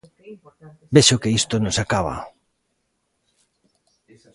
Vexo que isto non se acaba.